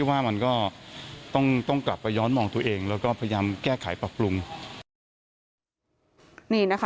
ว่ามันก็ต้องต้องกลับไปย้อนมองตัวเองแล้วก็พยายามแก้ไขปรับปรุงนี่นะคะ